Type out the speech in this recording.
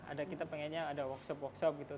ada kita pengennya ada workshop workshop gitu